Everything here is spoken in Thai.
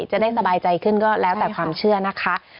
จะได้สบายใจขึ้นก็แล้วแต่ความเชื่อนะคะ